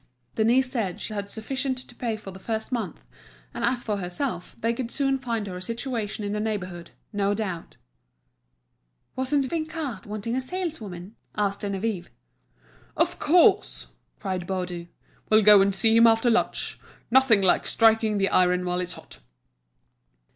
Denise said she had sufficient to pay for the first month, and as for herself they could soon find her a situation in the neighbourhood, no doubt. "Wasn't Vinçard wanting a saleswoman?" asked Geneviève. "Of course!" cried Baudu; "we'll go and see him after lunch. Nothing like striking the iron while it's hot."